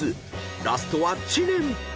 ［ラストは知念］